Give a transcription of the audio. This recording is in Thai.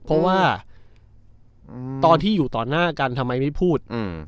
เพราะว่าตอนที่อยู่ต่อหน้ากันทำไมไม่พูด